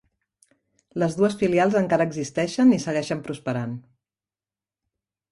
Les dues filials encara existeixen i segueixen prosperant.